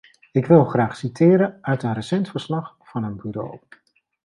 Ik wil graag citeren uit een recent verslag van een bureau.